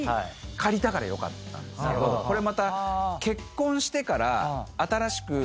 これまた。